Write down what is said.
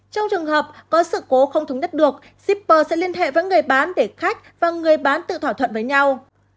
trong trường hợp có sự cố không thống nhất được shipper sẽ liên hệ với người bán để khách và người bán tự thỏa thuận với nhau